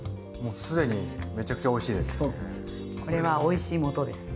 すでにめちゃくちゃおいしいですね。